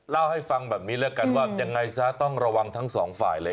เล่าให้ฟังแบบนี้แล้วกันว่ายังไงซะต้องระวังทั้งสองฝ่ายเลย